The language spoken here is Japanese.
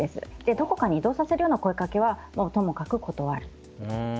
どこかに移動させるような声掛けはともかく断る。